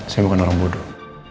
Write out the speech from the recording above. saya bukan orang bodoh